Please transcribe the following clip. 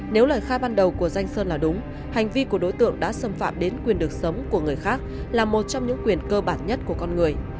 nếu lời khai ban đầu của danh sơn là đúng hành vi của đối tượng đã xâm phạm đến quyền được sống của người khác là một trong những quyền cơ bản nhất của con người